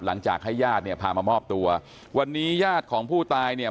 หลังจากให้ญาติเนี่ยพามามอบตัววันนี้ญาติของผู้ตายเนี่ย